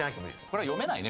これ読めないね